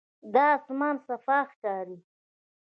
دا آسمان صاف ښکاري.